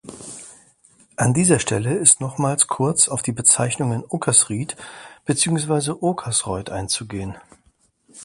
An dieser Stelle ist nochmals kurz auf die Bezeichnungen "Uckersriet" beziehungsweise "Okersreuth" einzugehen.